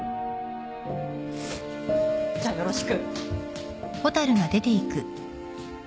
じゃあよろしく。